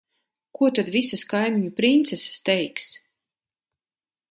Ko tad visas kaimiņu princeses teiks?